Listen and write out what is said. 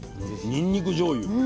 にんにくじょうゆ。